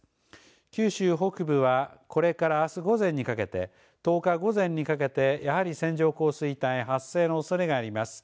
九州北部はこれからあす午前にかけて、１０日午前にかけてやはり線状降水帯発生のおそれがあります。